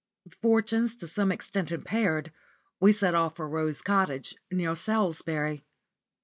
With fortunes to some extent impaired we set off for Rose Cottage, near Salisbury.